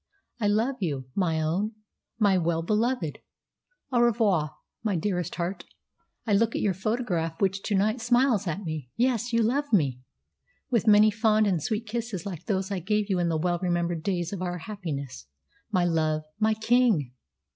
"I love you, my own, my well beloved! Au revoir, my dearest heart. I look at your photograph which to night smiles at me. Yes, you love me! "With many fond and sweet kisses like those I gave you in the well remembered days of our happiness. "My love My king!"